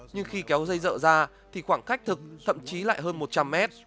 nhưng khi kéo dây dợ ra thì khoảng cách thực thậm chí lại hơn một trăm linh mét